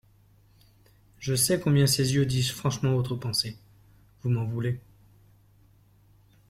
Je sais combien ces yeux disent franchement votre pensée … Vous m'en voulez.